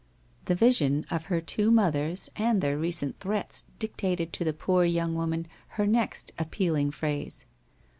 The vision of her two mothers and their recent threats dictated to the poor young woman her next appealing phrase.